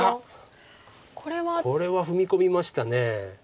これは踏み込みました。